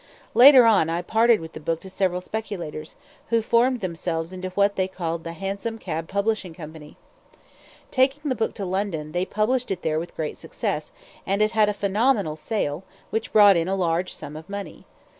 Later on I parted with the book to several speculators, who formed themselves into what they called "The Hansom Cab Publishing Company." Taking the book to London, they published it there with great success, and it had a phenomenal sale, which brought in a large sum of money.